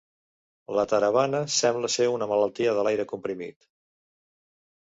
La "taravana" sembla ser una malaltia de l'aire comprimit.